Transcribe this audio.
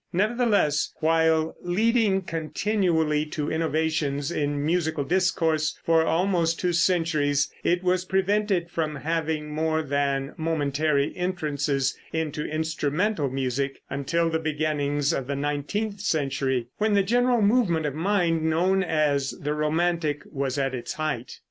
Nevertheless, while leading continually to innovations in musical discourse for almost two centuries, it was prevented from having more than momentary entrances into instrumental music until the beginning of the nineteenth century, when the general movement of mind known as the romantic was at its height.